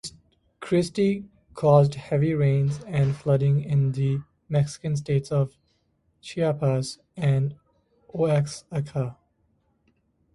Kristy caused heavy rains and flooding in the Mexican states of Chiapas and Oaxaca.